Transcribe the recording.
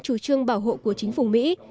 chủ trương bảo hộ của chính phủ mỹ